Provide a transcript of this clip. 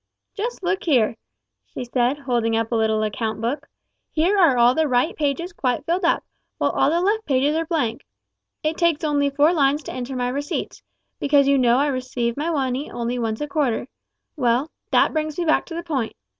Just look here!" she said, holding up a little account book, "here are all the right pages quite filled up, while all the left pages are blank. It takes only four lines to enter my receipts, because you know I receive my money only once a quarter. Well, that brings me back to the point.